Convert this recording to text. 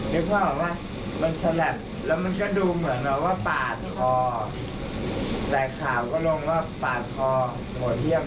นี่พบหรือเปล่ามันฉลับแล้วมันก็ดูเหมือนับว่าปาดคอ